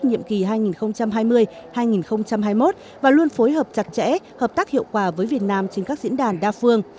nhiệm kỳ hai nghìn hai mươi hai nghìn hai mươi một và luôn phối hợp chặt chẽ hợp tác hiệu quả với việt nam trên các diễn đàn đa phương